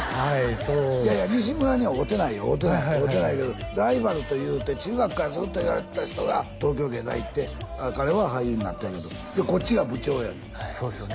そうですいやいや西村には会うてないよ会うてない会うてないけどライバルというて中学からずっと言われてた人が東京藝大行って彼は俳優になったんやけどこっちが部長やねんそうですよね